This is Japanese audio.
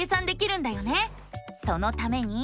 そのために。